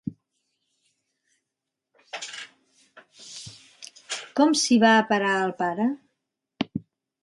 Com s'hi va a parar el pare?